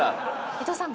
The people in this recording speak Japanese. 伊藤さん。